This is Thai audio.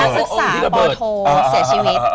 นักศึกษาป่อโทเสียชีวิต